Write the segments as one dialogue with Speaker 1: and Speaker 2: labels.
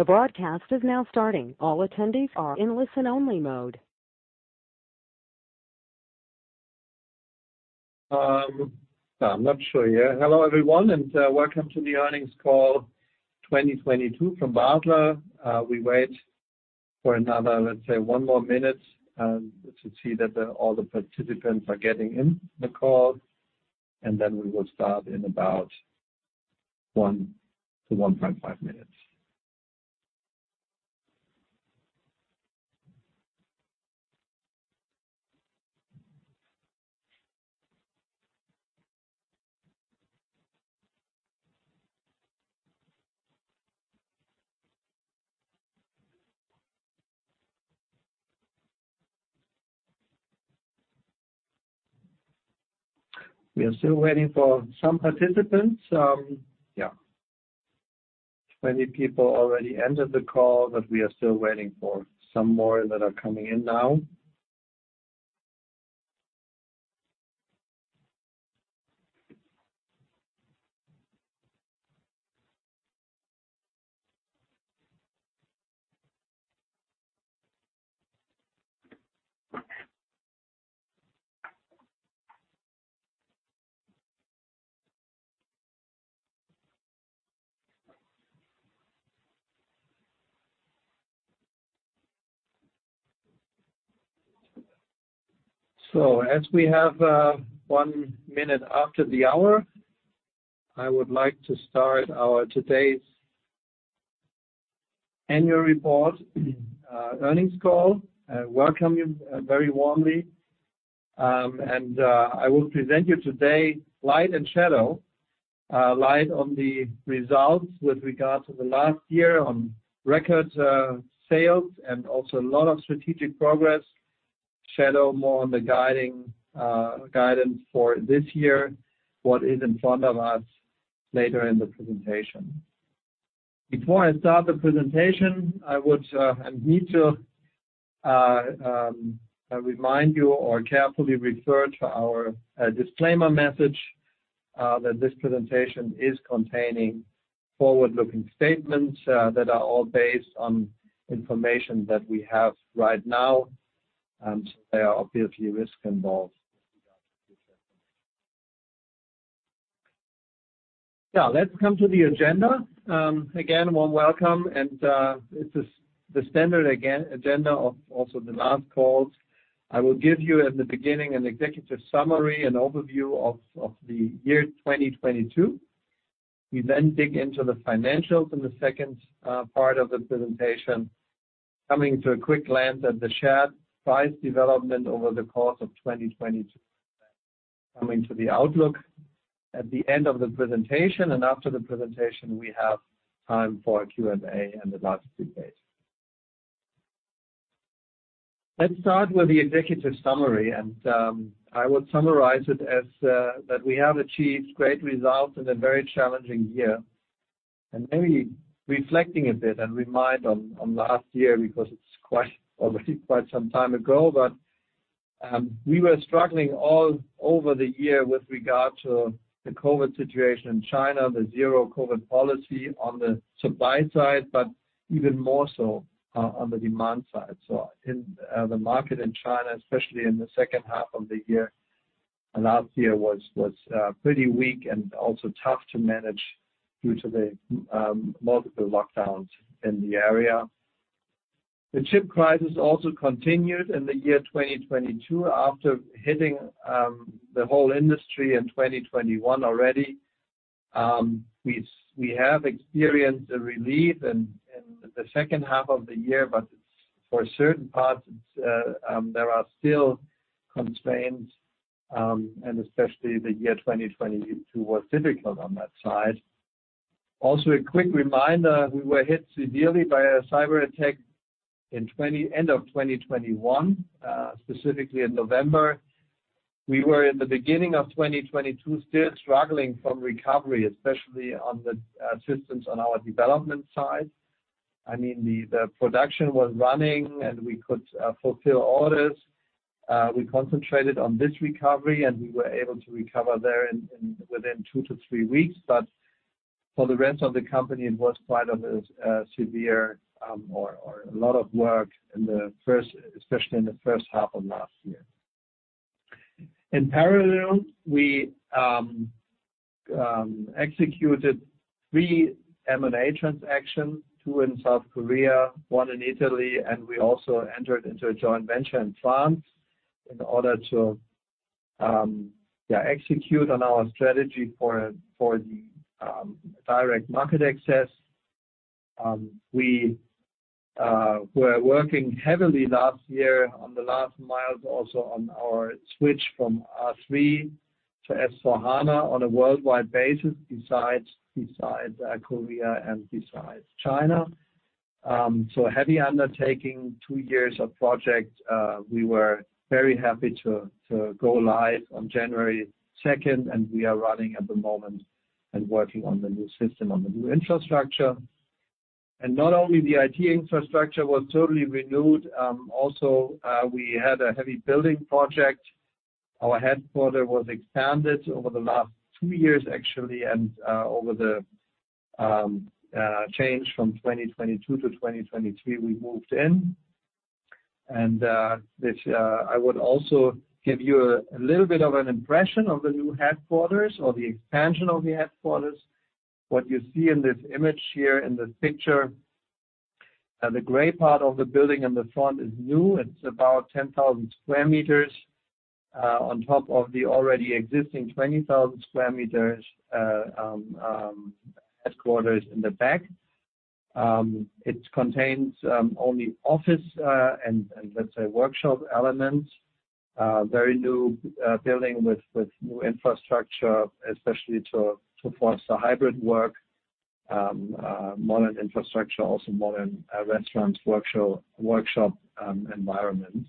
Speaker 1: The broadcast is now starting. All attendees are in listen-only mode.
Speaker 2: I'm not sure yet. Hello, everyone, welcome to the earnings call 2022 from Basler. We wait for another, let's say one more minute, to see that all the participants are getting in the call, and then we will start in about one to 1.5 minutes. We are still waiting for some participants. Yeah. Many people already entered the call, but we are still waiting for some more that are coming in now. As we have one minute after the hour, I would like to start our today's annual report earnings call. I welcome you very warmly. I will present you today light and shadow. Light on the results with regards to the last year on records, sales, and also a lot of strategic progress. Shadow more on the guiding guidance for this year, what is in front of us later in the presentation. Before I start the presentation, I would I need to remind you or carefully refer to our disclaimer message that this presentation is containing forward-looking statements that are all based on information that we have right now. There are obviously risks involved. Let's come to the agenda. Again, warm welcome. It is the standard agenda of also the last calls. I will give you at the beginning an executive summary and overview of the year 2022. We dig into the financials in the second part of the presentation, coming to a quick glance at the share price development over the course of 2022. Coming to the outlook at the end of the presentation, and after the presentation we have time for a Q and A and the last few days. Let's start with the executive summary, I would summarize it as that we have achieved great results in a very challenging year. Maybe reflecting a bit and remind on last year because it's quite, already quite some time ago, but we were struggling all over the year with regard to the COVID situation in China, the zero-COVID policy on the supply side, but even more so on the demand side. In the market in China, especially in the second half of the year, last year was pretty weak and also tough to manage due to the multiple lockdowns in the area. The chip crisis also continued in the year 2022 after hitting the whole industry in 2021 already. We have experienced a relief in the second half of the year, but for certain parts, it's there are still constraints, and especially the year 2022 was difficult on that side. Also, a quick reminder, we were hit severely by a cyberattack in end of 2021, specifically in November. We were in the beginning of 2022 still struggling from recovery, especially on the systems on our development side. I mean, the production was running, and we could fulfill orders. We concentrated on this recovery, and we were able to recover there in within two to three weeks. For the rest of the company, it was quite a severe or a lot of work in the first, especially in the first half of last year. In parallel, we executed 3 M&A transactions, two in South Korea, 1 in Italy, and we also entered into a joint venture in France in order to, yeah, execute on our strategy for the direct market access. We were working heavily last year on the last miles also on our switch from SAP R/3 to SAP S/4HANA on a worldwide basis besides Korea and besides China. So a heavy undertaking, two years of project. We were very happy to go live on January 2nd, and we are running at the moment and working on the new system, on the new infrastructure. Not only the IT infrastructure was totally renewed, also we had a heavy building project. Our headquarters was expanded over the last two years, actually, and over the change from 2022 to 2023, we moved in. This I would also give you a little bit of an impression of the new headquarters or the expansion of the headquarters. What you see in this image here in the picture, the gray part of the building in the front is new. It's about 10,000 square meters on top of the already existing 20,000 square meters headquarters in the back. It contains only office and let's say, workshop elements. Very new building with new infrastructure, especially to foster hybrid work, modern infrastructure, also modern restaurants, workshop environment.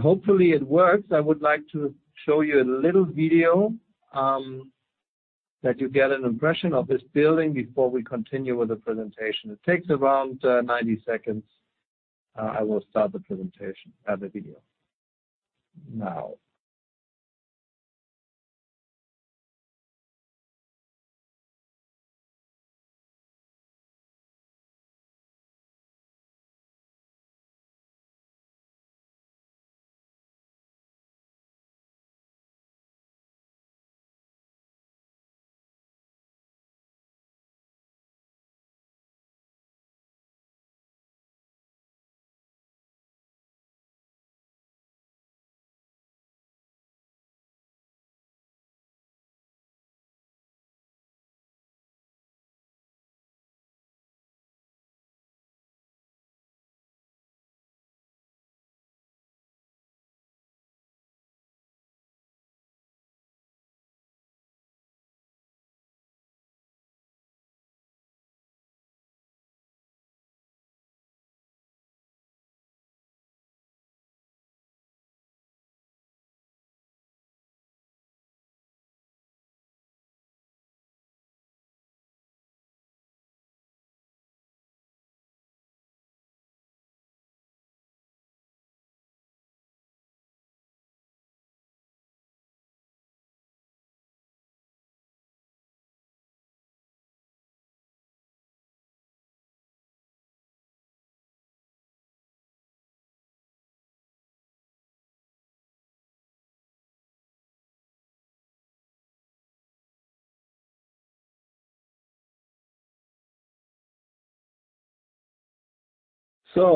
Speaker 2: Hopefully it works. I would like to show you a little video that you get an impression of this building before we continue with the presentation. It takes around 90 seconds. I will start the video now.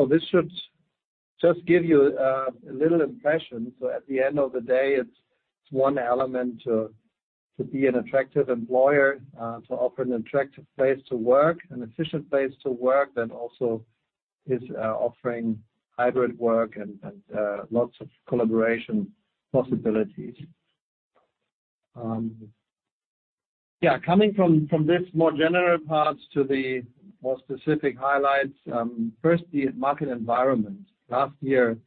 Speaker 2: This should just give you a little impression. At the end of the day, it's one element to be an attractive employer, to offer an attractive place to work, an efficient place to work, that also is offering hybrid work and lots of collaboration possibilities. Yeah, coming from this more general parts to the more specific highlights, firstly, market environment. Last year,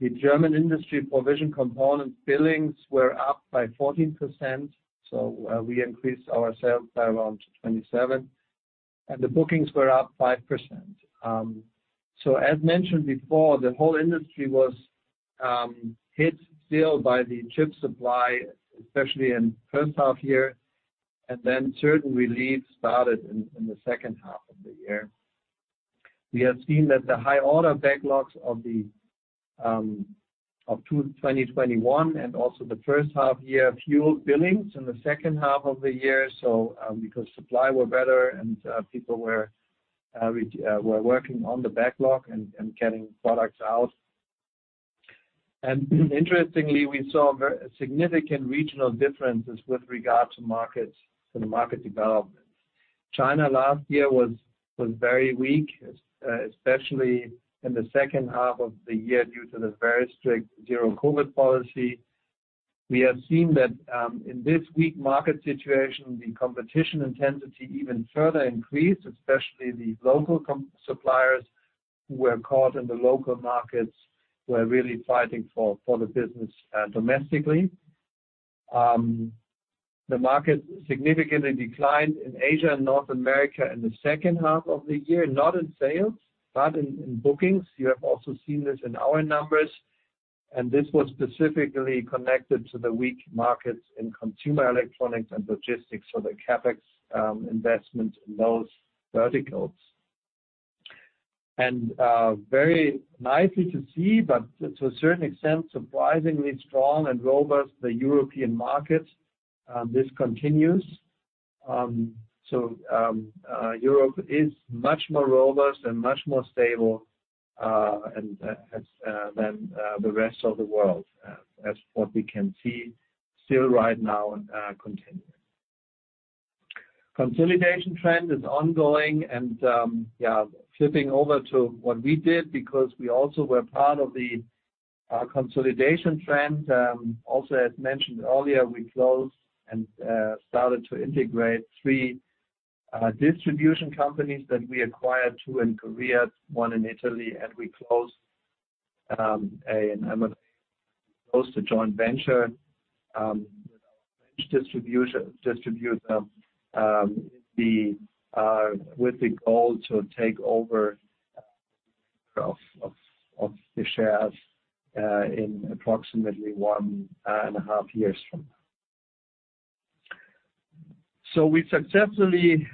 Speaker 2: the German machine vision components billings were up by 14%, so we increased our sales by around 27%, and the bookings were up 5%. As mentioned before, the whole industry was hit still by the chip supply, especially in first half-year, and then certain relief started in the second half-year. We have seen that the high order backlogs of 2021 and also the first half-year fueled billings in the second half-year, so because supply were better and people were working on the backlog and getting products out. Interestingly, we saw very significant regional differences with regard to the market development. China last year was very weak, especially in the second half of the year due to the very strict zero-COVID policy. We have seen that in this weak market situation, the competition intensity even further increased, especially the local suppliers who were caught in the local markets were really fighting for the business domestically. The market significantly declined in Asia and North America in the second half of the year, not in sales, but in bookings. You have also seen this in our numbers. This was specifically connected to the weak markets in consumer electronics and logistics, so the CapEx investment in those verticals. Very nicely to see, but to a certain extent, surprisingly strong and robust, the European markets. This continues. Europe is much more robust and much more stable, and, as, than, the rest of the world, as what we can see still right now and, continuing. Consolidation trend is ongoing and, yeah, flipping over to what we did because we also were part of the consolidation trend. Also as mentioned earlier, we closed and started to integrate three distribution companies that we acquired, two in Korea, one in Italy, and we closed a in Germany close to joint venture, with our French distributor, the, with the goal to take over of the shares, in approximately one and a half years from now. We successfully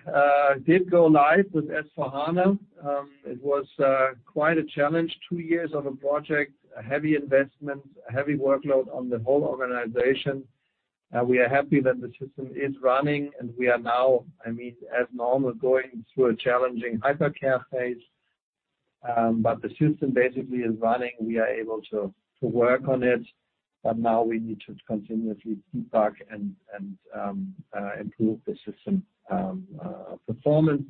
Speaker 2: did go live with S/4HANA. It was quite a challenge. Two years on a project, a heavy investment, a heavy workload on the whole organization. We are happy that the system is running, and we are now, I mean, as normal, going through a challenging hypercare phase. The system basically is running. We are able to work on it, now we need to continuously debug and improve the system performance.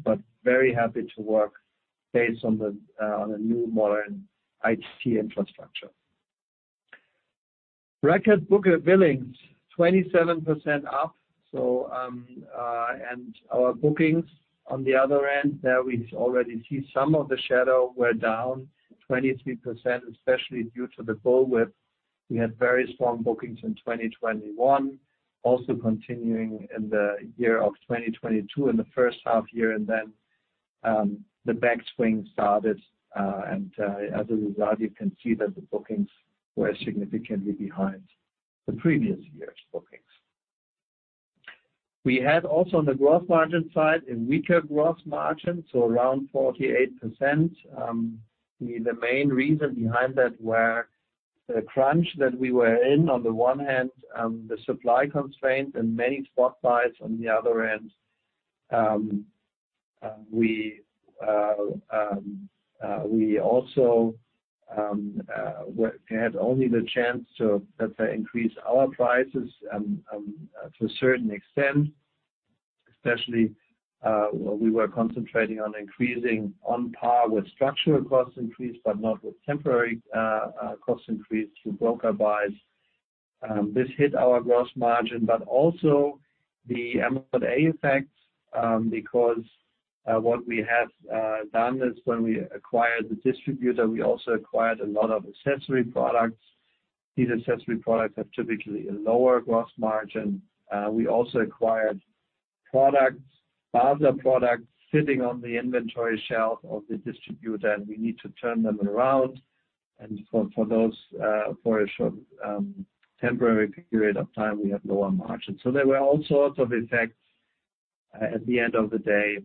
Speaker 2: Very happy to work based on a new modern IT infrastructure. Record book billings, 27% up, our bookings on the other end, there we already see some of the shadow. We're down 23%, especially due to the bullwhip. We had very strong bookings in 2021, also continuing in the year of 2022 in the first half year. The backswing started, as a result, you can see that the bookings were significantly behind the previous year's bookings. We had also on the gross margin side, a weaker gross margin, so around 48%. The main reason behind that were the crunch that we were in. On the one hand, the supply constraint and many spot buys on the other end. We also had only the chance to, let's say, increase our prices to a certain extent. Especially, we were concentrating on increasing on par with structural cost increase, but not with temporary cost increase through broker buys. This hit our gross margin, but also the M&A effect, because what we have done is when we acquired the distributor, we also acquired a lot of accessory products. These accessory products have typically a lower gross margin. We also acquired other products sitting on the inventory shelf of the distributor, and we need to turn them around. For those, for a short, temporary period of time, we have lower margins. There were all sorts of effects at the end of the day,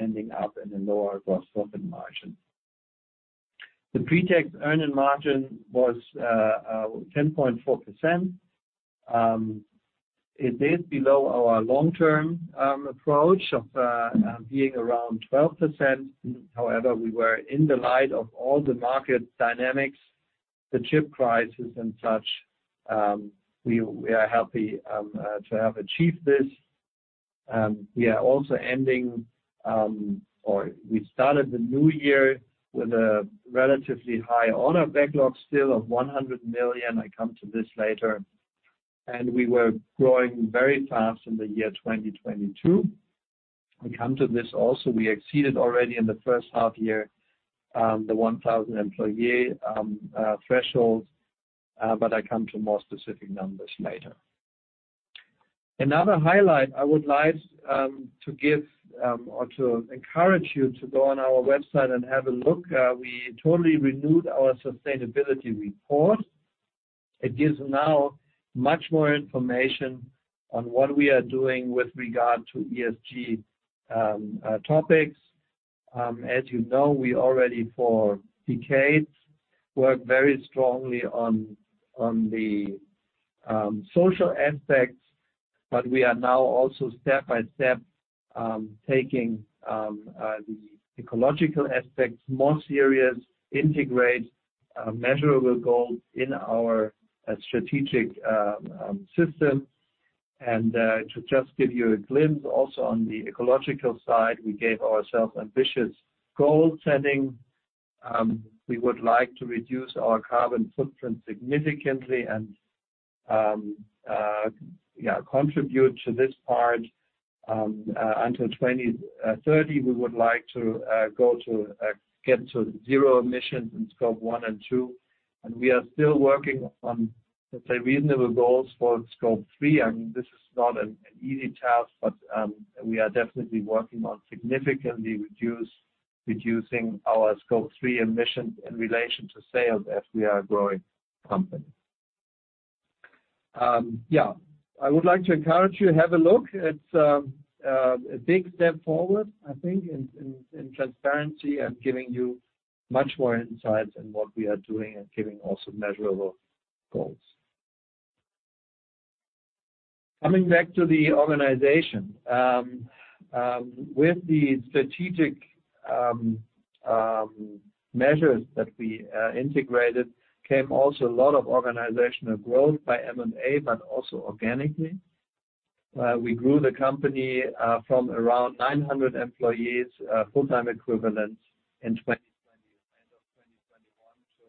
Speaker 2: ending up in a lower gross profit margin. The pre-tax earning margin was 10.4%. It is below our long-term approach of being around 12%. We were in the light of all the market dynamics, the chip prices and such, we are happy to have achieved this. We are also ending, or we started the new year with a relatively high order backlog still of 100 million. I come to this later. We were growing very fast in the year 2022. We come to this also, we exceeded already in the first half year the 1,000 employee threshold. I come to more specific numbers later. Another highlight I would like to give, or to encourage you to go on our website and have a look. We totally renewed our sustainability report. It gives now much more information on what we are doing with regard to ESG topics. As you know, we already for decades work very strongly on the social aspects, but we are now also step by step taking the ecological aspects more serious, integrate measurable goals in our strategic system. To just give you a glimpse also on the ecological side, we gave ourselves ambitious goal setting. We would like to reduce our carbon footprint significantly and, yeah, contribute to this part. Until 2030, we would like to go to get to zero emissions in Scope 1 and 2. We are still working on, let's say reasonable goals for Scope 3. I mean, this is not an easy task, but we are definitely working on significantly reducing our Scope 3 emissions in relation to sales as we are a growing company. Yeah. I would like to encourage you, have a look. It's a big step forward, I think, in transparency and giving you much more insights in what we are doing and giving also measurable goals. Coming back to the organization. With the strategic measures that we integrated came also a lot of organizational growth by M&A, but also organically. We grew the company from around 900 employees, full-time equivalents in end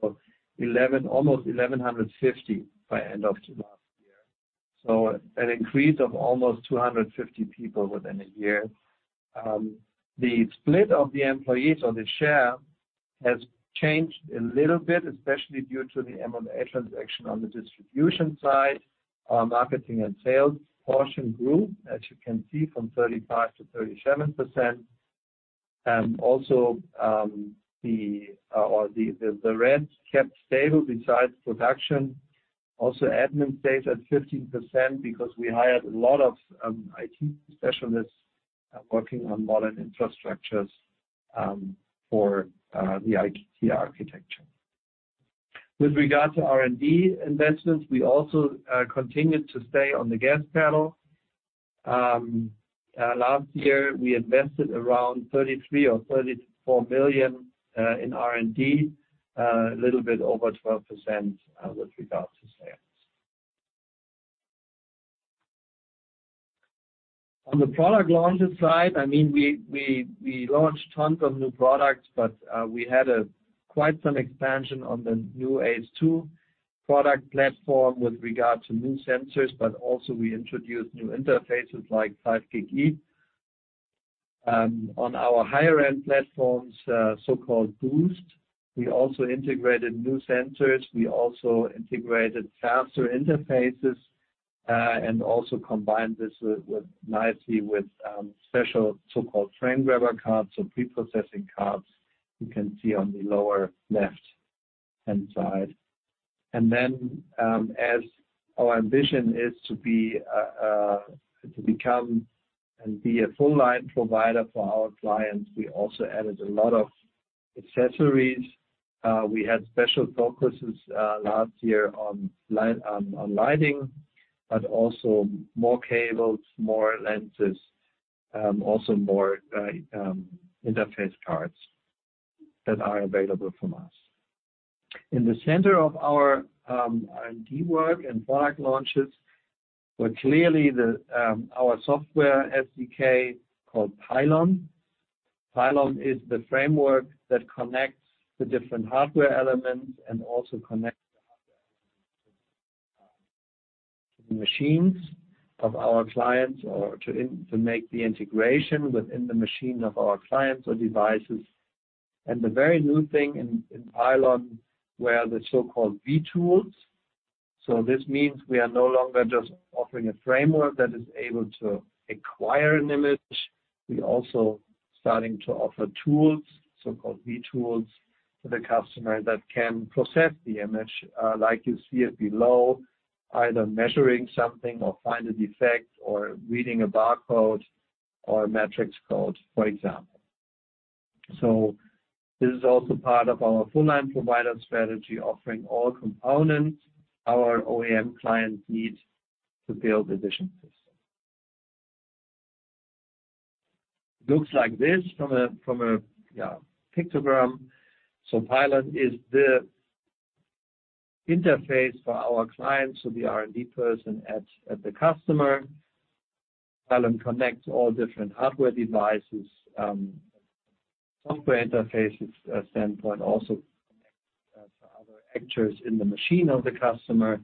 Speaker 2: of 2021 to almost 1,150 by end of last year. An increase of almost 250 people within a year. The split of the employees on the share has changed a little bit, especially due to the M&A transaction on the distribution side. Our marketing and sales portion grew, as you can see, from 35%-37%. Also, the rent kept stable besides production. Also admin stayed at 15% because we hired a lot of IT specialists working on modern infrastructures for the IT architecture. With regard to R&D investments, we also continued to stay on the gas pedal. Last year we invested around 33 million-34 million in R&D, a little bit over 12% with regards to sales. On the product launches side, I mean, we launched tons of new products, but we had a quite some expansion on the new ace 2 product platform with regard to new sensors, but also we introduced new interfaces like 5GigE. On our higher-end platforms, so-called boost, we also integrated new sensors. We also integrated faster interfaces, and also combined this with nicely with special so-called frame grabber cards or pre-processing cards you can see on the lower left-hand side. As our ambition is to be to become and be a full-line provider for our clients, we also added a lot of accessories. We had special focuses last year on light, on lighting, but also more cables, more lenses, also more interface cards that are available from us. In the center of our R&D work and product launches were clearly the our software SDK called Pylon. Pylon is the framework that connects the different hardware elements and also connects the hardware elements to the machines of our clients or to make the integration within the machine of our clients or devices. The very new thing in Pylon were the so-called vTools. This means we are no longer just offering a framework that is able to acquire an image. We also starting to offer tools, so-called vTools, to the customer that can process the image, like you see it below, either measuring something or find a defect or reading a barcode or a matrix code, for example. This is also part of our full-line provider strategy, offering all components our OEM clients need to build a vision system. Looks like this from a, yeah, pictogram. Pylon is the interface for our clients, so the R&D person at the customer. Pylon connects all different hardware devices, software interfaces standpoint, also connects other actors in the machine of the customer.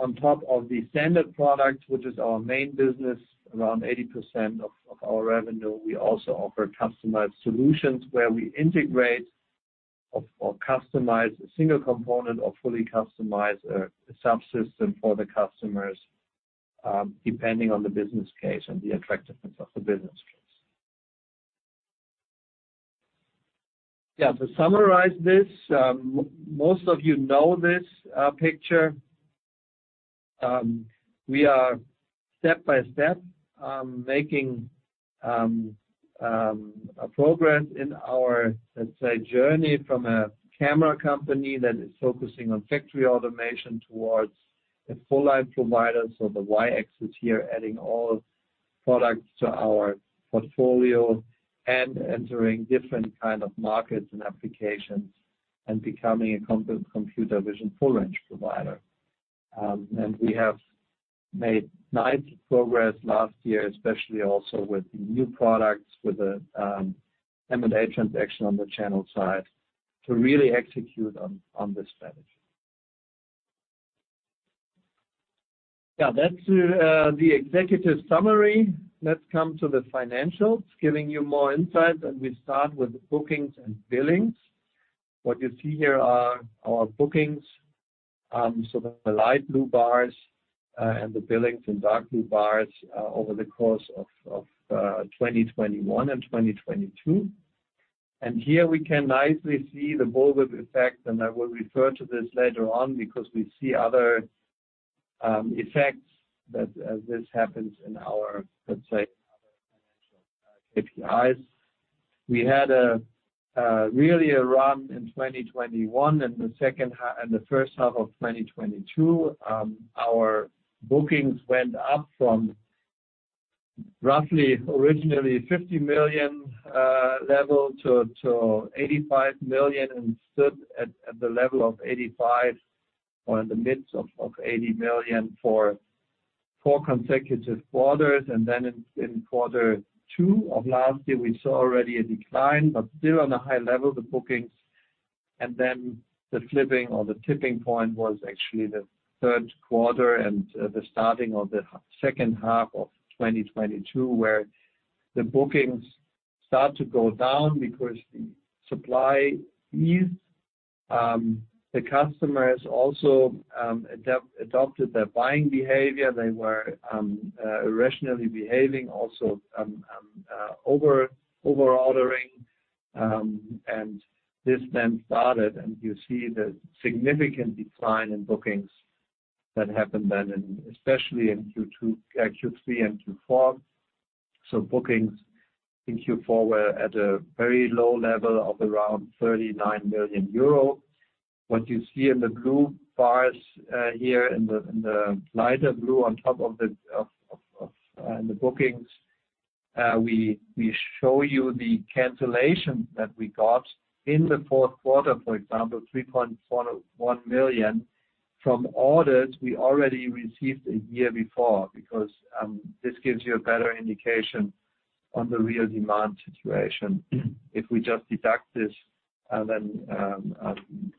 Speaker 2: On top of the standard product, which is our main business, around 80% of our revenue, we also offer customized solutions where we integrate or customize a single component or fully customize a subsystem for the customers, depending on the business case and the attractiveness of the business case. To summarize this, most of you know this picture. We are step-by-step making a progress in our, let's say, journey from a camera company that is focusing on factory automation towards a full-line provider. The Y-axis here, adding all products to our portfolio and entering different kind of markets and applications and becoming a computer vision full-line provider. We have made nice progress last year, especially also with the new products, with the M&A transaction on the channel side to really execute on this strategy. That's the executive summary. Let's come to the financials, giving you more insight, and we start with the bookings and billings. What you see here are our bookings, the light blue bars, and the billings in dark blue bars, over the course of 2021 and 2022. Here we can nicely see the bullwhip effect, and I will refer to this later on because we see other effects that this happens in our, let's say, other financial KPIs. We had a really a run in 2021 and the first half of 2022. Our bookings went up from roughly originally 50 million level to 85 million and stood at the level of 85 million or in the midst of 80 million for four consecutive quarters. In Q2 of last year, we saw already a decline, but still on a high level, the bookings. The flipping or the tipping point was actually Q3 and the starting of the second half of 2022, where the bookings start to go down because the supply eased. The customers also adopted their buying behavior. They were irrationally behaving also overordering. This then started, and you see the significant decline in bookings that happened then in, especially in Q2, Q3 and Q4. Bookings in Q4 were at a very low level of around 39 million euro. What you see in the blue bars, here in the lighter blue on top of the, of, in the bookings, we show you the cancellation that we got in the fourth quarter, for example, 3.41 million from orders we already received a year before, because this gives you a better indication on the real demand situation. If we just deduct this, then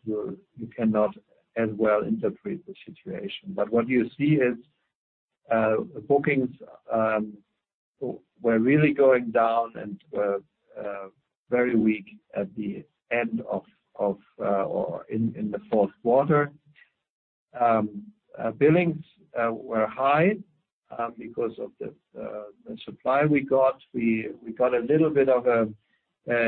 Speaker 2: you cannot as well interpret the situation. What you see is bookings were really going down and were very weak at the end of or in the fourth quarter. Billings were high because of the supply we got. We got a little bit of a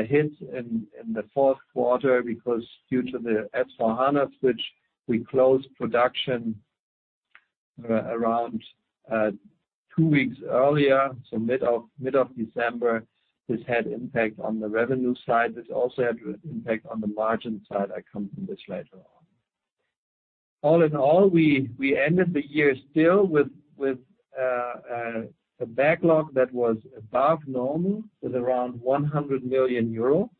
Speaker 2: hit in the fourth quarter because due to the SAP S/4HANA switch, we closed production around two weeks earlier, so mid of December. This had impact on the revenue side. This also had impact on the margin side. I come to this later on. All in all, we ended the year still with a backlog that was above normal with around 100 million euro.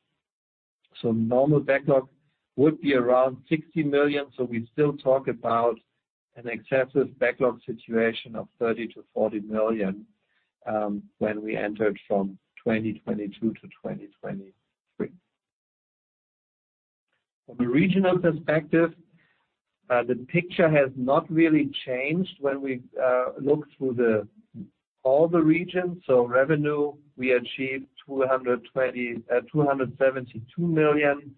Speaker 2: Normal backlog would be around 60 million, so we still talk about an excessive backlog situation of 30-40 million when we entered from 2022 to 2023. From a regional perspective, the picture has not really changed when we look through all the regions. Revenue, we achieved 272 million.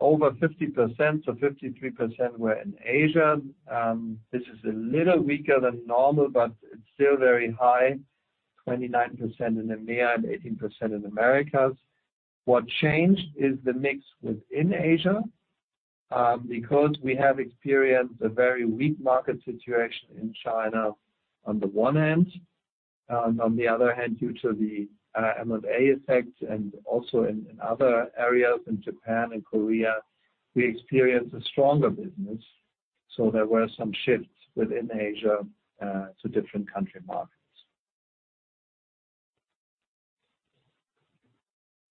Speaker 2: Over 50%, so 53% were in Asia. This is a little weaker than normal, but it's still very high, 29% in EMEA and 18% in Americas. What changed is the mix within Asia because we have experienced a very weak market situation in China on the one hand. On the other hand, due to the M&A effect and also in other areas in Japan and Korea, we experienced a stronger business. There were some shifts within Asia to different country markets.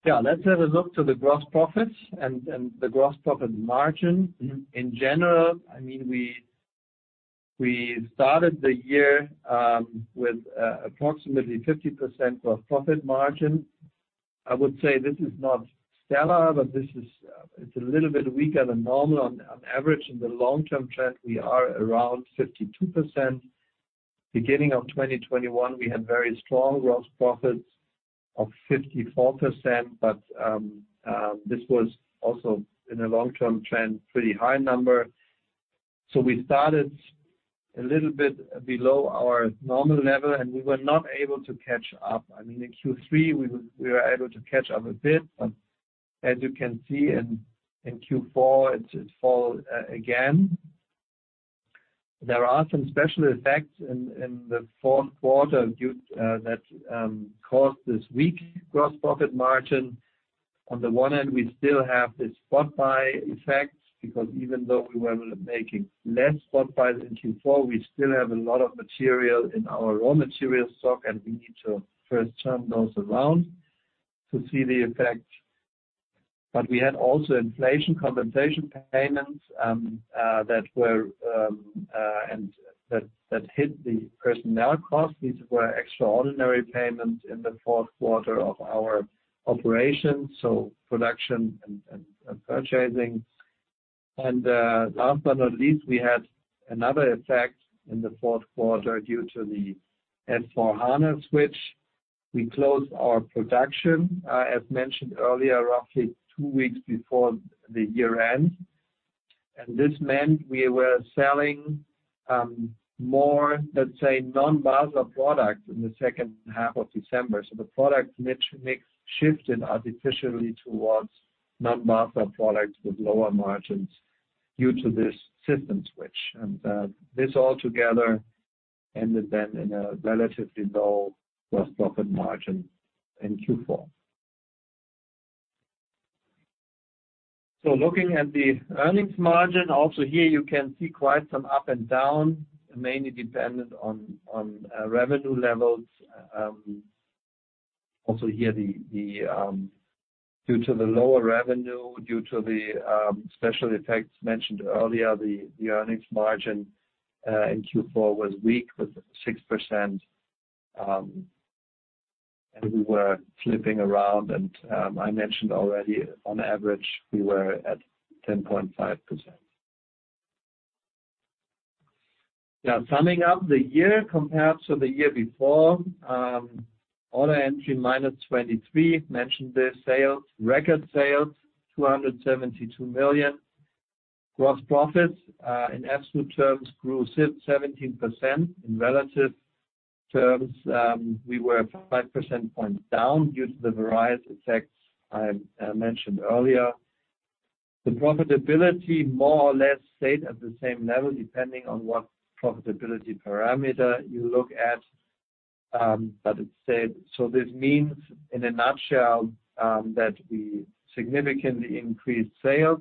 Speaker 2: Let's have a look to the gross profits and the gross profit margin. In general, I mean, we started the year with approximately 50% gross profit margin. I would say this is not stellar, but this is a little bit weaker than normal. On average, in the long-term trend, we are around 52%. Beginning of 2021, we had very strong gross profits of 54%, but this was also in a long-term trend, pretty high number. We started a little bit below our normal level, and we were not able to catch up. I mean, in Q3, we were able to catch up a bit, but as you can see in Q4, it fall again. There are some special effects in the fourth quarter that caused this weak gross profit margin. On the one hand, we still have this spot buy effect because even though we were making less spot buys in Q4, we still have a lot of material in our raw material stock, and we need to first turn those around to see the effect. We had also inflation compensation payments that were and that hit the personnel costs. These were extraordinary payments in the fourth quarter of our operations, so production and purchasing. Last but not least, we had another effect in the fourth quarter due to the S/4HANA switch. We closed our production, as mentioned earlier, roughly two weeks before the year-end. This meant we were selling more, let's say, non-Basler products in the second half of December. The product mix shifted artificially towards non-Basler products with lower margins due to this system switch. This all together ended then in a relatively low gross profit margin in Q4. Looking at the earnings margin, also here you can see quite some up and down, mainly dependent on revenue levels. Also here due to the lower revenue, due to the special effects mentioned earlier, the earnings margin in Q4 was weak with 6%. We were flipping around and I mentioned already on average, we were at 10.5%. Summing up the year compared to the year before, order entry -23%. Mentioned the sales, record sales, 272 million. Gross profits, in absolute terms grew 17%. In relative terms, we were 5 percent points down due to the variety effects I mentioned earlier. The profitability more or less stayed at the same level depending on what profitability parameter you look at, but it stayed. This means, in a nutshell, that we significantly increased sales,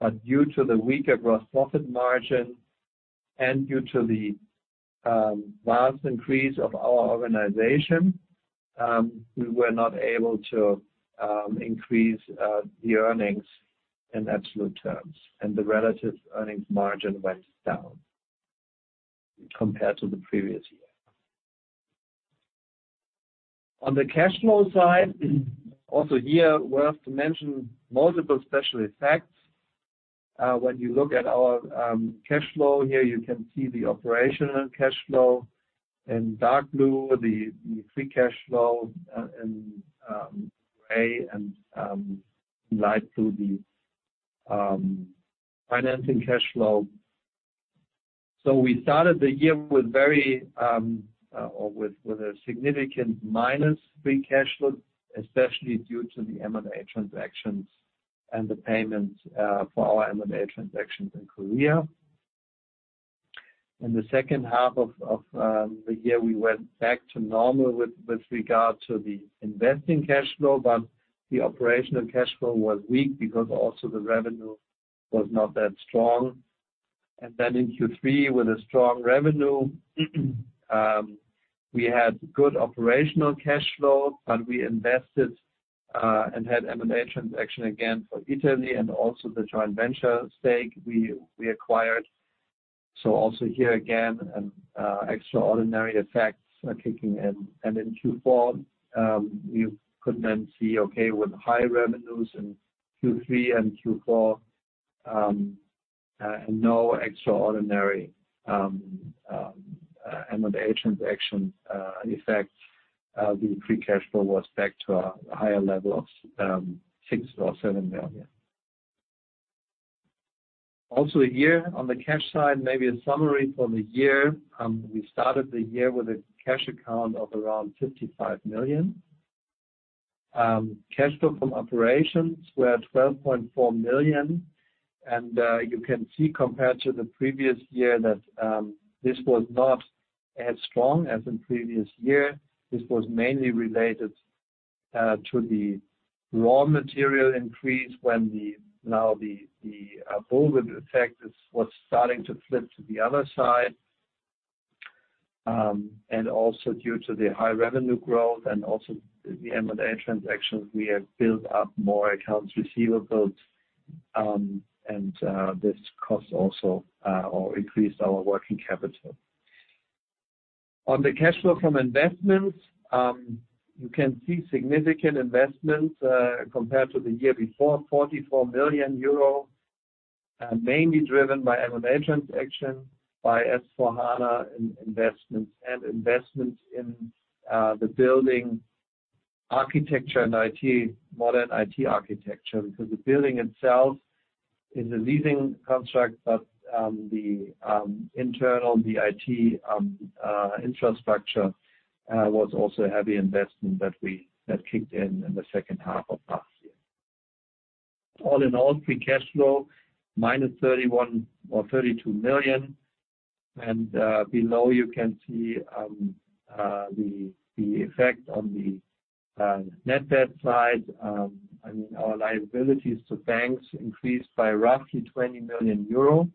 Speaker 2: but due to the weaker gross profit margin and due to the vast increase of our organization, we were not able to increase the earnings in absolute terms, and the relative earnings margin went down compared to the previous year. On the cash flow side, also here we have to mention multiple special effects. When you look at our cash flow here, you can see the operational cash flow in dark blue, the free cash flow in gray, and light blue, the financing cash flow. We started the year with a significant minus free cash flow, especially due to the M&A transactions and the payments for our M&A transactions in Korea. In the second half of the year, we went back to normal with regard to the investing cash flow, but the operational cash flow was weak because also the revenue was not that strong. In Q3, with a strong revenue, we had good operational cash flow, but we invested and had M&A transaction again for Italy and also the joint venture stake we acquired. Also here again, extraordinary effects are kicking in. In Q4, you could then see, okay, with high revenues in Q3 and Q4, no extraordinary M&A transaction effects. The free cash flow was back to a higher level of 6 or 7 million. Also a year on the cash side, maybe a summary for the year. We started the year with a cash account of around 55 million. Cash flow from operations were 12.4 million. You can see compared to the previous year that this was not as strong as in previous year. This was mainly related to the raw material increase when the COVID effect was starting to flip to the other side. Also due to the high revenue growth and also the M&A transactions, we have built up more accounts receivables, and this cost also or increased our working capital. On the cash flow from investments, you can see significant investments compared to the year before, 44 million euro. Mainly driven by M&A transaction, by S/4HANA in-investments and investments in the building architecture and IT, modern IT architecture, because the building itself is a leasing construct, but the internal, the IT infrastructure was also a heavy investment that we, that kicked in in the second half of last year. All in all, free cash flow, -31 or -32 million. Below you can see the effect on the net debt side. I mean, our liabilities to banks increased by roughly 20 million euro.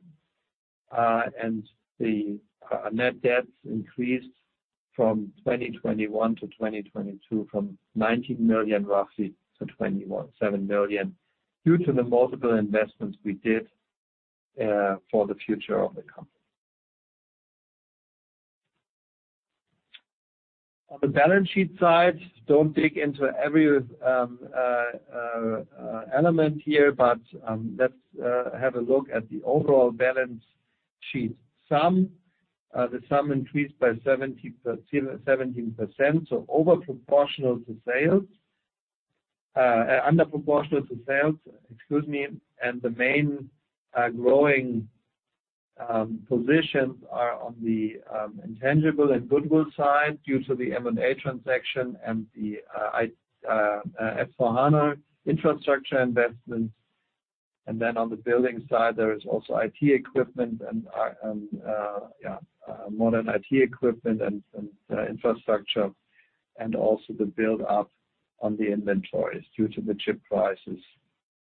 Speaker 2: The net debt increased from 2021 to 2022, from 19 million roughly to 21.7 million due to the multiple investments we did for the future of the company. On the balance sheet side, don't dig into every element here, but let's have a look at the overall balance sheet. Sum, the sum increased by 70%, so over proportional to sales. Under proportional to sales, excuse me, the main growing positions are on the intangible and goodwill side due to the M&A transaction and the S/4HANA infrastructure investments. Then on the building side, there is also IT equipment and modern IT equipment and infrastructure, and also the build-up on the inventories due to the chip prices.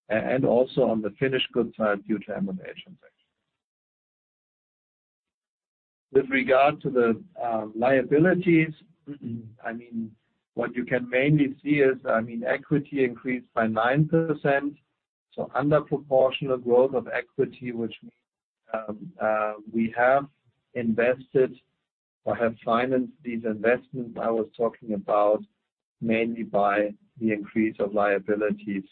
Speaker 2: And also on the finished goods side due to M&A transactions. With regard to the liabilities, I mean, what you can mainly see is, I mean, equity increased by 9%. Under proportional growth of equity, which means, we have invested or have financed these investments I was talking about mainly by the increase of liabilities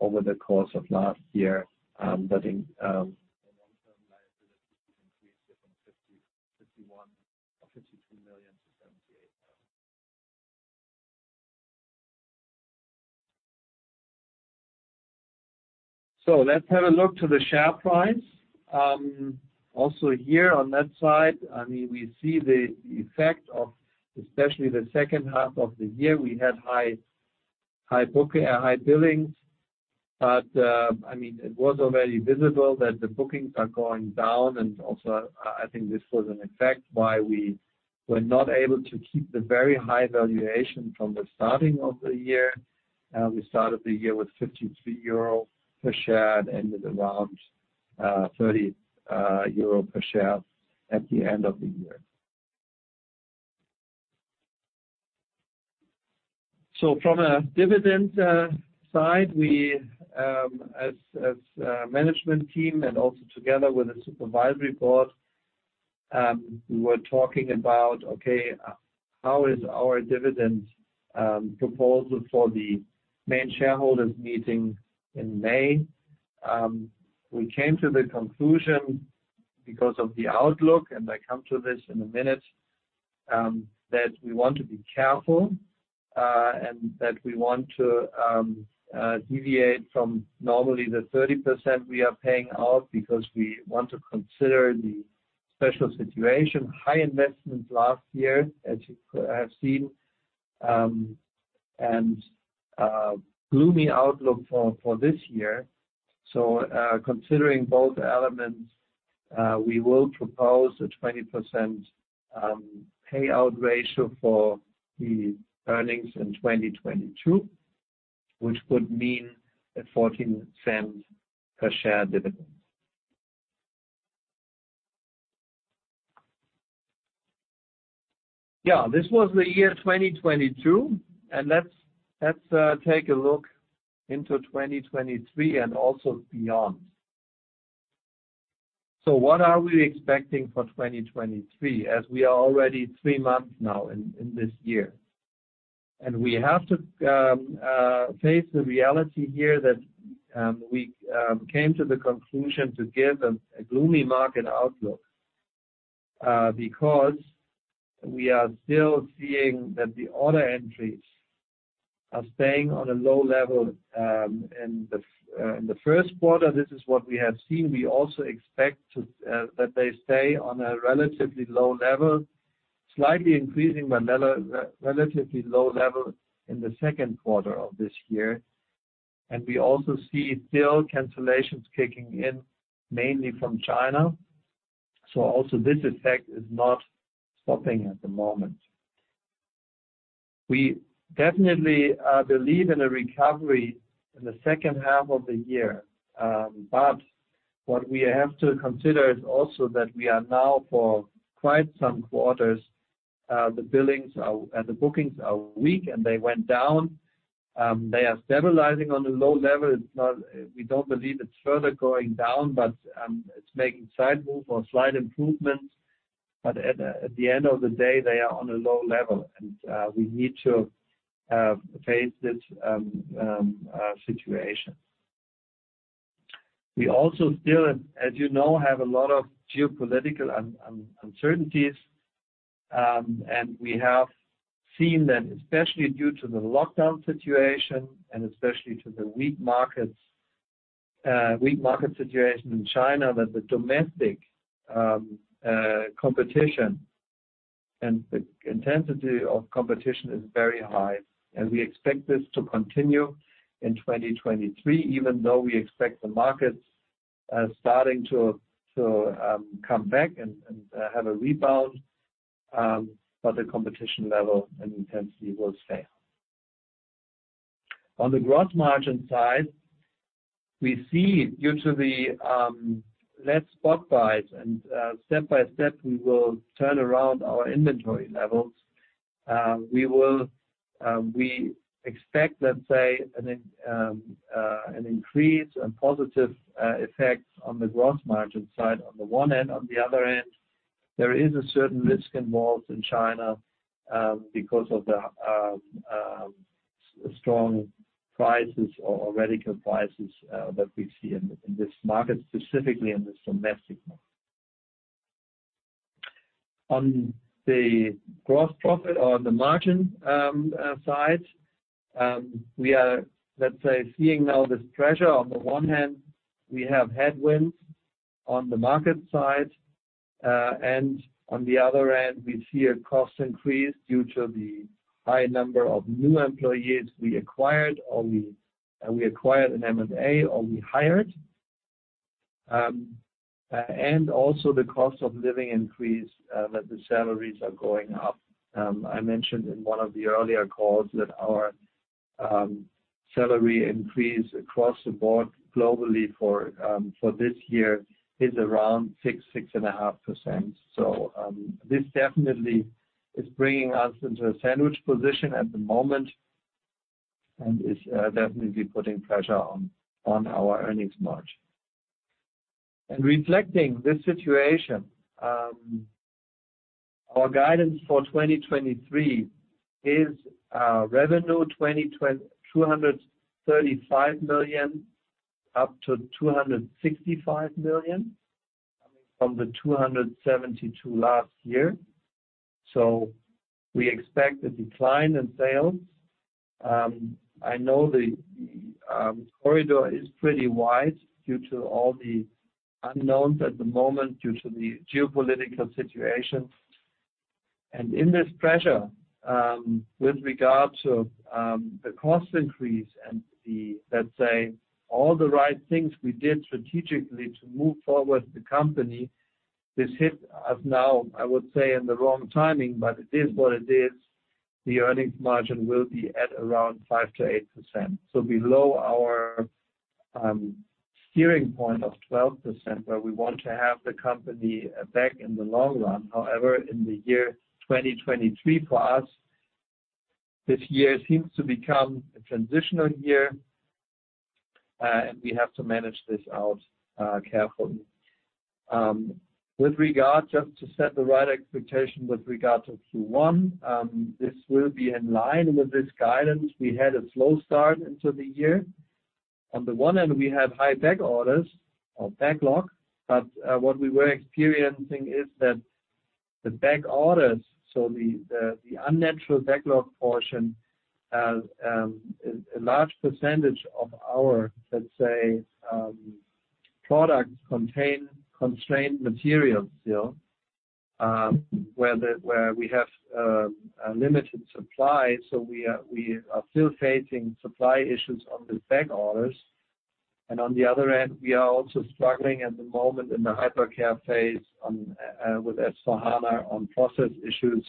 Speaker 2: over the course of last year, that the long-term liabilities increased it from EUR 51 million or EUR 52 million to EUR 78 million. Let's have a look to the share price. Also here on that side, I mean, we see the effect of especially the second half of the year. We had high billings. I mean, it was already visible that the bookings are going down. Also I think this was an effect why we were not able to keep the very high valuation from the starting of the year. We started the year with 52 euro per share and ended around 30 euro per share at the end of the year. From a dividend side, we as management team and also together with the supervisory board, we were talking about, okay, how is our dividend proposal for the main shareholders meeting in May? We came to the conclusion because of the outlook, and I come to this in a minute, that we want to be careful, and that we want to deviate from normally the 30% we are paying out because we want to consider the special situation, high investments last year, as you have seen, and a gloomy outlook for this year. Considering both elements, we will propose a 20% payout ratio for the earnings in 2022, which would mean a 0.14 per share dividend. Yeah, this was the year 2022. Let's take a look into 2023 and also beyond. What are we expecting for 2023, as we are already three months now in this year? We have to face the reality here that we came to the conclusion to give a gloomy market outlook because we are still seeing that the order entries are staying on a low level. In the first quarter, this is what we have seen. We also expect that they stay on a relatively low level, slightly increasing but relatively low level in the second quarter of this year. We also see still cancellations kicking in, mainly from China. Also this effect is not stopping at the moment. We definitely believe in a recovery in the second half of the year. What we have to consider is also that we are now for quite some quarters, the bookings are weak, and they went down. They are stabilizing on a low level. We don't believe it's further going down, but it's making side move or slight improvements. At the end of the day, they are on a low level, and we need to face this situation. We also still, as you know, have a lot of geopolitical uncertainties. We have seen that especially due to the lockdown situation and especially to the weak market situation in China, that the domestic competition and the intensity of competition is very high. We expect this to continue in 2023, even though we expect the markets starting to come back and have a rebound. The competition level and intensity will stay. On the gross margin side, we see due to the less spot buys and step by step, we will turn around our inventory levels. We will, we expect, let's say, an increase and positive effects on the gross margin side on the one end. On the other end, there is a certain risk involved in China, because of the strong prices or radical prices that we see in this market, specifically in this domestic market. On the gross profit or the margin side, we are, let's say, seeing now this pressure. On the one hand, we have headwinds on the market side. On the other end, we see a cost increase due to the high number of new employees we acquired, or we acquired in M&A, or we hired. Also the cost of living increase, that the salaries are going up. I mentioned in one of the earlier calls that salary increase across the board globally for this year is around 6.5%. This definitely is bringing us into a sandwich position at the moment, and is definitely putting pressure on our earnings margin. Reflecting this situation, our guidance for 2023 is our revenue 235 million up to 265 million from 272 million last year. We expect a decline in sales. I know the corridor is pretty wide due to all the unknowns at the moment, due to the geopolitical situation. In this pressure, with regards to the cost increase and the, let's say, all the right things we did strategically to move forward the company, this hit us now, I would say, in the wrong timing, but it is what it is. The earnings margin will be at around 5%-8%. Below our steering point of 12%, where we want to have the company back in the long run. In the year 2023 for us, this year seems to become a transitional year, and we have to manage this out carefully. With regard just to set the right expectation with regard to Q1, this will be in line with this guidance. We had a slow start into the year. We have high back orders or backlog, what we were experiencing is that the back orders, so the unnatural backlog portion has a large percentage of our, let's say, products contain constrained materials still, where we have a limited supply, we are still facing supply issues on the back orders. On the other end, we are also struggling at the moment in the hypercare phase with S/4HANA on process issues,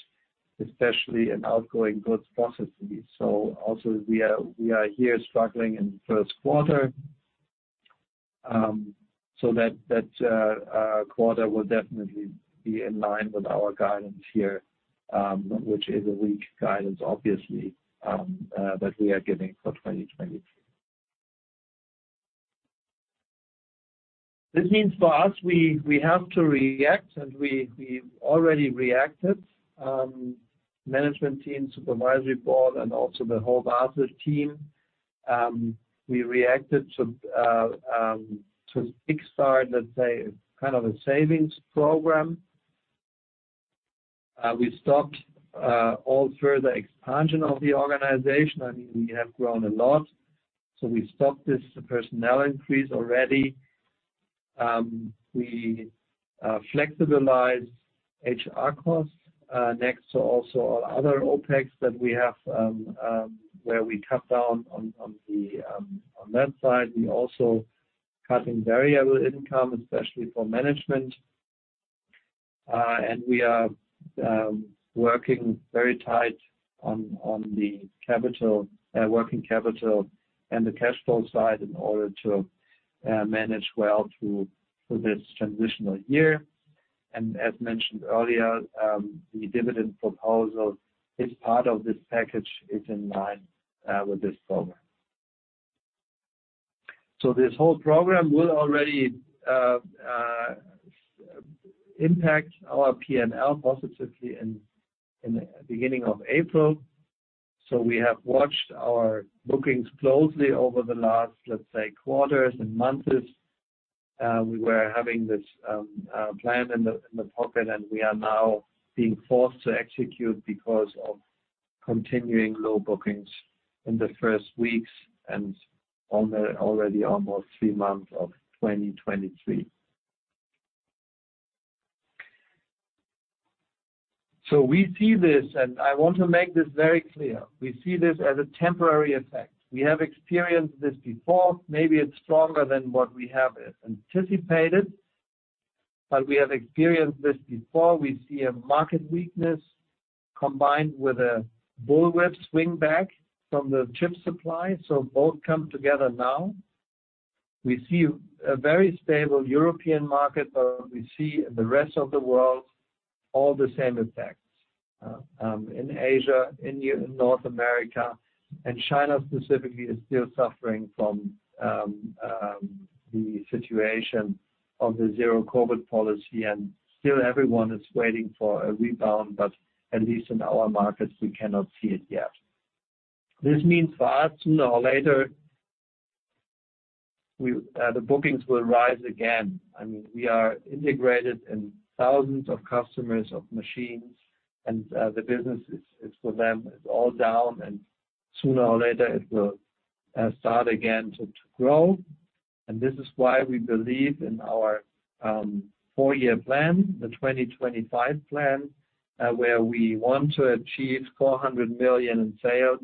Speaker 2: especially in outgoing goods processes. Also we are here struggling in first quarter. That quarter will definitely be in line with our guidance here, which is a weak guidance obviously, that we are giving for 2023. This means for us, we have to react, and we've already reacted. Management team, supervisory board, and also the whole Basler team, we reacted to kickstart, let's say, kind of a savings program. We stopped all further expansion of the organization. I mean, we have grown a lot, so we stopped this personnel increase already. We flexibilized HR costs next to also our other OpEx that we have where we cut down on that side. We also cutting variable income, especially for management. We are working very tight on the capital working capital and the cash flow side in order to manage well through this transitional year. As mentioned earlier, the dividend proposal is part of this package, is in line with this program. This whole program will already impact our P&L positively in the beginning of April. We have watched our bookings closely over the last, let's say, quarters and months. We were having this plan in the pocket, and we are now being forced to execute because of continuing low bookings in the first weeks and on the already almost three months of 2023. We see this, and I want to make this very clear. We see this as a temporary effect. We have experienced this before. Maybe it's stronger than what we have anticipated, but we have experienced this before. We see a market weakness combined with a bullwhip swing back from the chip supply. Both come together now. We see a very stable European market, but we see in the rest of the world all the same effects in Asia, in North America, and China specifically is still suffering from the situation of the zero-COVID policy. Still everyone is waiting for a rebound, but at least in our markets, we cannot see it yet. This means for us, sooner or later, we the bookings will rise again. I mean, we are integrated in thousands of customers of machines and the business is for them, is all down, and sooner or later it will start again to grow. This is why we believe in our four-year plan, the 2025 plan, where we want to achieve 400 million in sales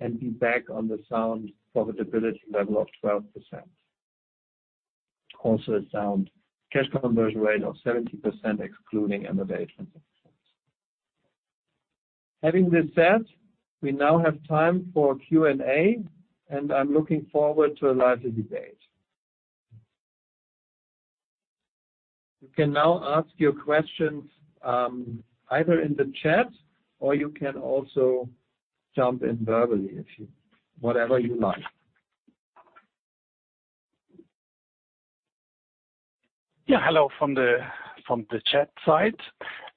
Speaker 2: and be back on the sound profitability level of 12%. A sound cash conversion rate of 70% excluding M&A transaction costs. Having this said, we now have time for Q and A, and I'm looking forward to a lively debate. You can now ask your questions either in the chat or you can also jump in verbally. Whatever you like.
Speaker 3: Hello from the, from the chat side.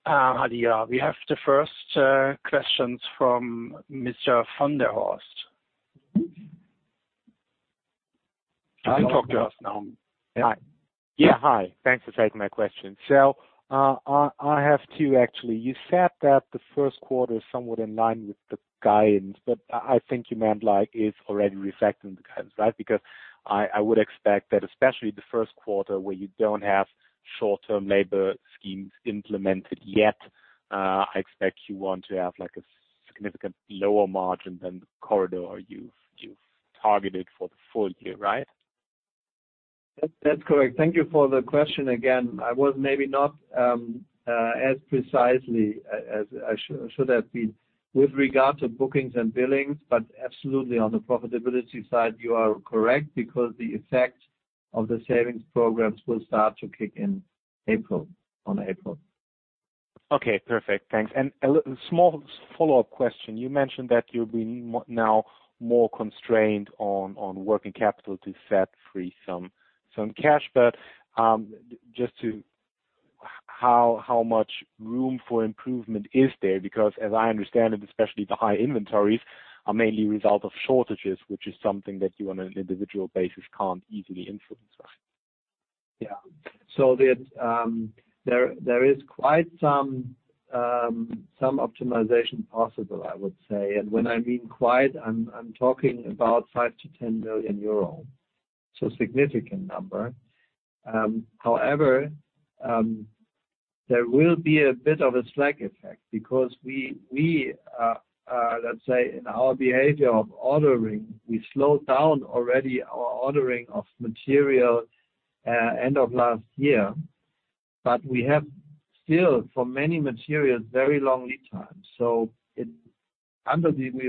Speaker 3: Adi, we have the first questions from Mr. Funderhorst.
Speaker 2: Hi Funderhorst.
Speaker 3: You can talk to us now. Yeah.
Speaker 4: Hi. Thanks for taking my question. I have two actually. You said that the first quarter is somewhat in line with the guidance. I think you meant like is already reflecting the guidance, right? I would expect that especially the first quarter where you don't have short-term labor schemes implemented yet, I expect you want to have like a significant lower margin than the corridor you've targeted for the full year, right?
Speaker 2: That's correct. Thank you for the question again. I was maybe not as precisely as I should have been with regard to bookings and billings, but absolutely on the profitability side, you are correct because the effect of the savings programs will start to kick in April, on April.
Speaker 4: Okay. Perfect. Thanks. A small follow-up question. You mentioned that you'll be now more constrained on working capital to set free some cash, just to. How much room for improvement is there? As I understand it, especially the high inventories are mainly a result of shortages, which is something that you on an individual basis can't easily influence, right?
Speaker 2: There is quite some optimization possible, I would say. When, I mean quite, I'm talking about 5 million-10 million euros, so significant number. However, there will be a bit of a slack effect because we, let's say in our behavior of ordering, we slowed down already our ordering of material end of last year. We have still for many materials, very long lead times. We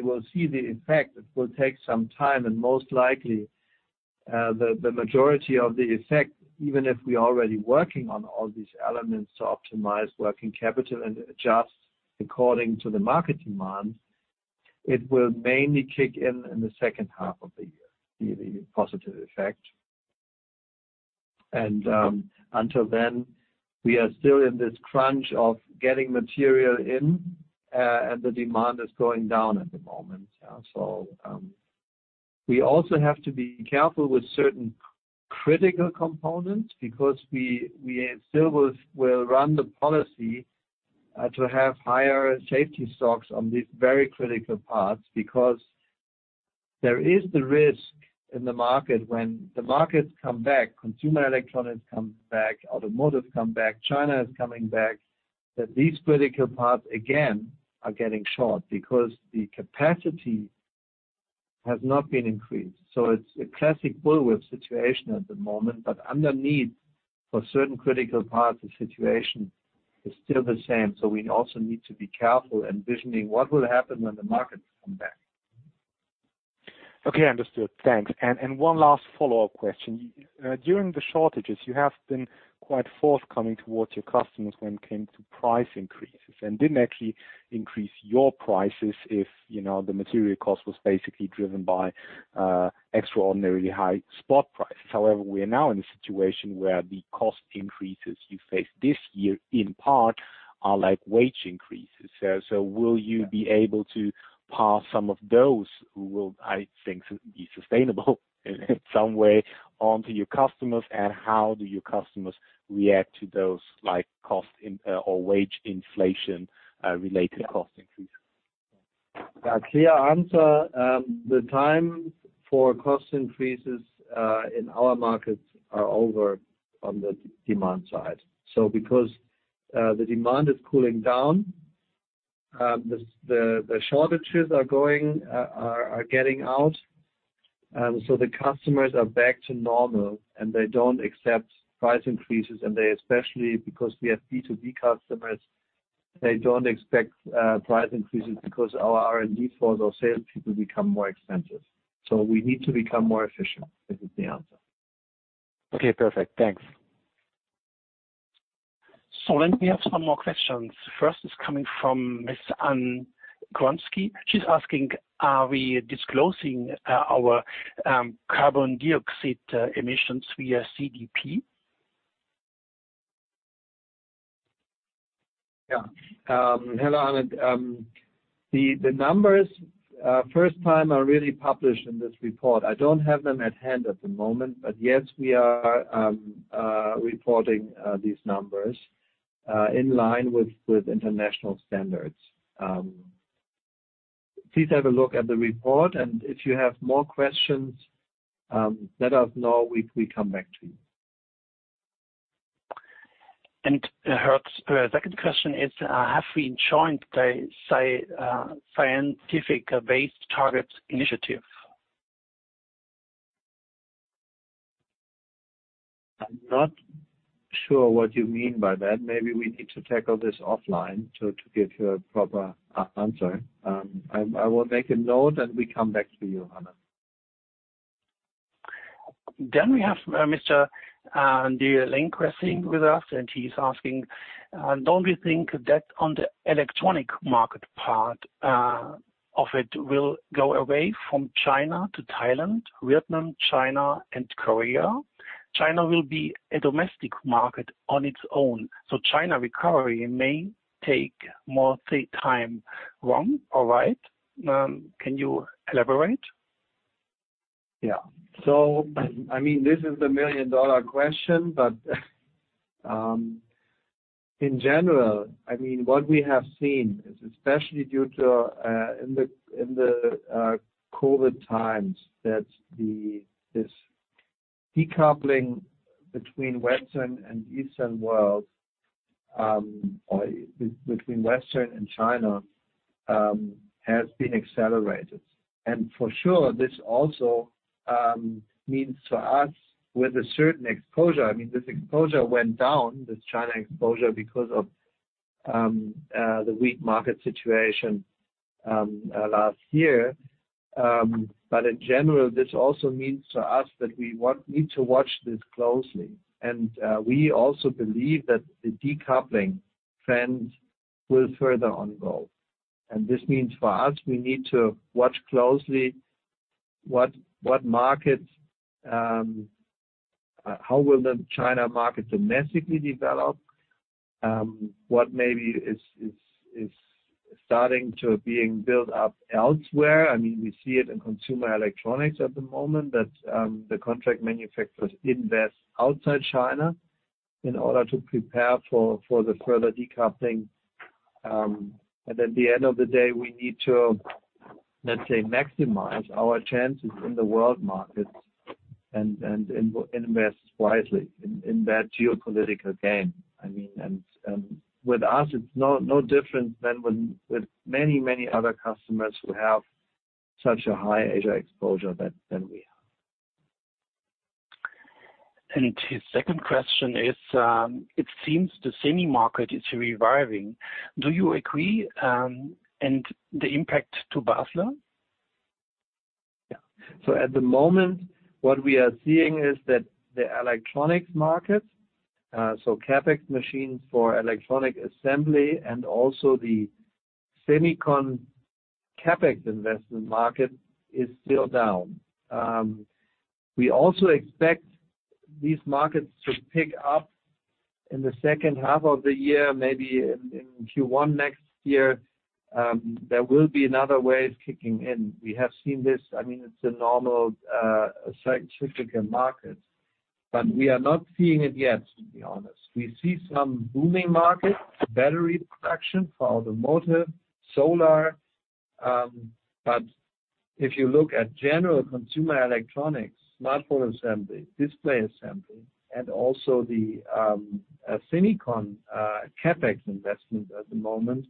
Speaker 2: will see the effect. It will take some time and most likely, the majority of the effect, even if we are already working on all these elements to optimize working capital and adjust according to the market demand, it will mainly kick in in the second half of the year, the positive effect. Until then, we are still in this crunch of getting material in, and the demand is going down at the moment. We also have to be careful with certain critical components because we still will run the policy to have higher safety stocks on these very critical parts because there is the risk in the market when the markets come back, consumer electronics comes back, automotive come back, China is coming back, that these critical parts again are getting short because the capacity has not been increased. It's a classic bullwhip situation at the moment, but underneath for certain critical parts, the situation is still the same. We also need to be careful envisioning what will happen when the markets come back.
Speaker 4: Okay. Understood. Thanks. One last follow-up question. During the shortages, you have been quite forthcoming towards your customers when it came to price increases and didn't actually increase your prices if, you know, the material cost was basically driven by extraordinarily high spot prices. However, we are now in a situation where the cost increases you face this year in part are like wage increases. Will you be able to pass some of those who will, I think, be sustainable in some way onto your customers, and how do your customers react to those like cost or wage inflation related cost increases?
Speaker 2: A clear answer. The time for cost increases in our markets are over on the demand side. Because the demand is cooling down, the shortages are getting out, so the customers are back to normal and they don't accept price increases. Especially because we have B2B customers, they don't expect price increases because our R&D for those sales people become more expensive. We need to become more efficient is the answer.
Speaker 4: Okay. Perfect. Thanks.
Speaker 3: We have some more questions. First is coming from Miss Anne-Marie Gursky. She's asking, are we disclosing our carbon dioxide emissions via CDP?
Speaker 2: Yeah. Hello, Anne. The numbers, first time are really published in this report. I don't have them at hand at the moment. Yes, we are reporting these numbers in line with international standards. Please have a look at the report. If you have more questions, let us know, we come back to you.
Speaker 3: Her second question is, have we joined the Science Based Targets initiative?
Speaker 2: I'm not sure what you mean by that. Maybe we need to tackle this offline to give you a proper answer. I will make a note, and we come back to you, Anne.
Speaker 3: We have Mr. Andy Lin with us, and he's asking, don't we think that on the electronic market part, of it will go away from China to Thailand, Vietnam, China and Korea? China will be a domestic market on its own, so China recovery may take more, say, time. Wrong or right? Can you elaborate?
Speaker 2: I mean, this is the million-dollar question. In general, I mean, what we have seen is especially due to in the COVID times, that this decoupling between Western and Eastern world, or between Western and China, has been accelerated. For sure, this also means to us with a certain exposure. I mean, this exposure went down, this China exposure because of the weak market situation last year. In general, this also means to us that we need to watch this closely. We also believe that the decoupling trend will further unfold. This means for us, we need to watch closely what markets, how will the China market domestically develop, what maybe is, is starting to being built up elsewhere. I mean, we see it in consumer electronics at the moment that the contract manufacturers invest outside China in order to prepare for the further decoupling. At the end of the day, we need to, let's say, maximize our chances in the world markets and invest wisely in that geopolitical game. I mean, with us, it's no different than with many other customers who have such a high Asia exposure than we have.
Speaker 3: His second question is, it seems the semi market is reviving. Do you agree? The impact to Basler?
Speaker 2: Yeah. At the moment, what we are seeing is that the electronics market, so CapEx machines for electronic assembly and also the semicon CapEx investment market is still down. We also expect these markets to pick up in the second half of the year, maybe in Q1 next year. There will be another wave kicking in. We have seen this. I mean, it's a normal cyclical market, but we are not seeing it yet, to be honest. We see some booming markets, battery production for automotive, solar. If you look at general consumer electronics, smartphone assembly, display assembly, and also the semicon CapEx investment at the moment,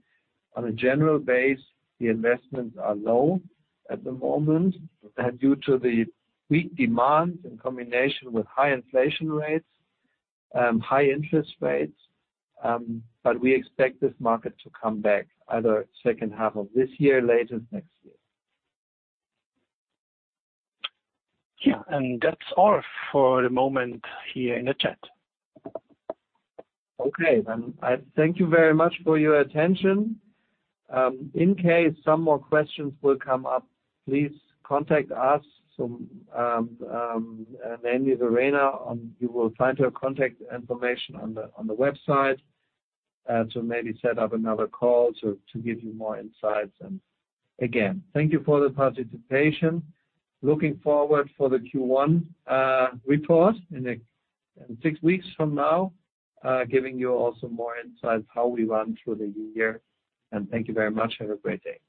Speaker 2: on a general base, the investments are low at the moment. Due to the weak demand in combination with high inflation rates, high interest rates, but we expect this market to come back either second half of this year, latest next year.
Speaker 3: Yeah. That's all for the moment here in the chat.
Speaker 2: I thank you very much for your attention. In case some more questions will come up, please contact us. Mainly Verena. You will find her contact information on the website to maybe set up another call to give you more insights. Again, thank you for the participation. Looking forward for the Q1 report in six weeks from now, giving you also more insights how we run through the year. Thank you very much. Have a great day.